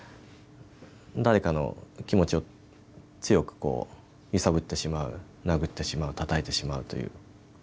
誰かの気持ちを強く揺さぶってしまう殴ってしまうたたいてしまうという。